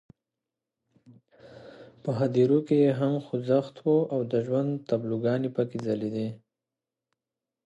په هدیرو کې یې هم خوځښت وو او د ژوند تابلوګانې پکې ځلېدې.